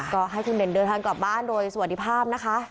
ก็ให้คุณเด่นเดินทางกลับบ้านโดยสวัสดีภาพนะคะ